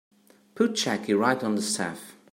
Put Jackie right on the staff.